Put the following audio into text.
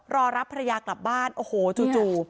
รอรับภรรยากลับบ้านโอ้โหจู่